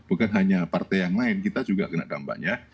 bukan hanya partai yang lain kita juga kena dampaknya